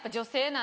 な